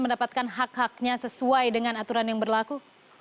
mendapatkan hak haknya sesuai dengan aturan yang berlaku